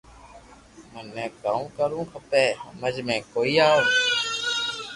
مني ڪاو ڪروُ کپئ ھمج مي ڪوئي آو